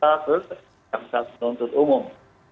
dan yang ketiga adalah seorang jasus umum